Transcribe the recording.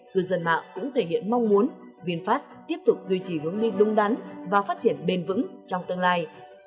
cư dân mạng cũng thể hiện mong muốn vinfast tiếp tục duy trì hướng đi đúng đắn và phát triển bền vững trong tương lai